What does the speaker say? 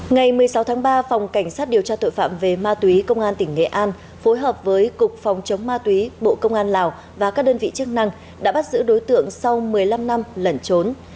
ngày một mươi sáu tháng ba phòng cảnh sát điều tra tội phạm về ma túy công an tỉnh nghệ an phối hợp với cục phòng chống ma túy bộ công an lào và các đơn vị chức năng đã bắt giữ đối tượng sau một mươi năm năm lẩn trốn